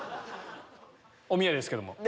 おみやですけども。